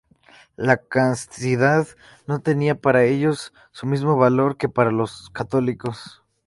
La castidad no tenía para ellos el mismo valor que para los católicos.